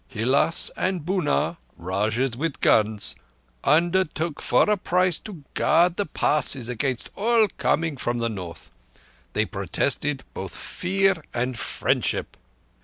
Hilás and Bunár—Rajahs with guns—undertook for a price to guard the Passes against all coming from the North. They protested both fear and friendship."